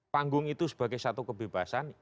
panggung itu sebagai satu kebebasan